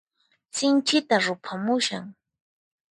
Sinchita ruphamushan.